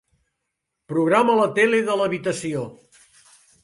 Programa la tele de l'habitació.